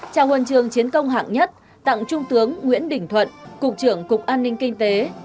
trao huân trường chiến công hạng nhất tặng trung tướng nguyễn đình thuận cục trưởng cục an ninh kinh tế